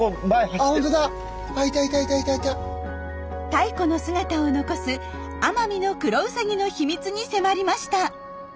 太古の姿を残すアマミノクロウサギの秘密に迫りました。